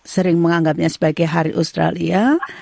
sering menganggapnya sebagai hari australia